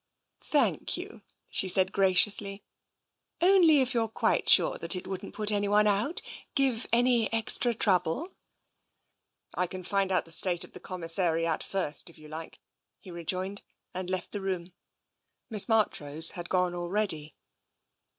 " Thank you," she said graciously. " Only if you're quite sure that it wouldn't put anyone out, give any extra trouble." " I can find out the state of the commissariat first, if you like," he rejoined, and left the room. Miss Marchrose had gone already.